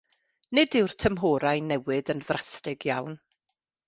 Nid yw'r tymhorau'n newid yn ddrastig iawn.